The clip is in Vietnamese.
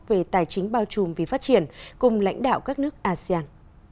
về tài chính bao trùm vì phát triển cùng lãnh đạo các nước asean